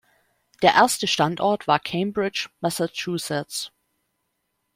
Der erste Standort war Cambridge, Massachusetts.